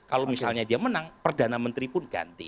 kalau misalnya dia menang perdana menteri pun ganti